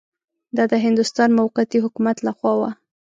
دا د هندوستان موقتي حکومت له خوا وه.